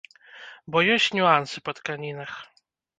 Бо ёсць нюансы па тканінах.